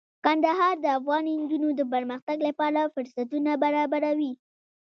کندهار د افغان نجونو د پرمختګ لپاره فرصتونه برابروي.